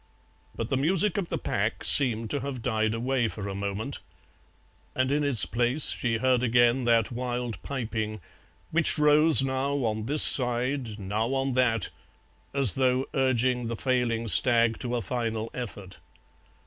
But the music of the pack seemed to have died away for a moment, and in its place she heard again that wild piping, which rose now on this side, now on that, as though urging the failing stag to a final effort.